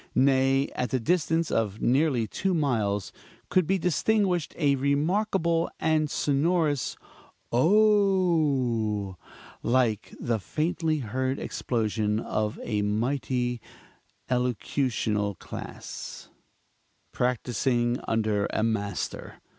Nay, at the distance of nearly two miles, could be distinguished a remarkable and sonorous oh! like the faintly heard explosion of a mighty elocutional class, practising under a master.